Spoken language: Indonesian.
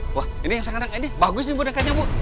bu ini yang sangat bagus ini bonekanya bu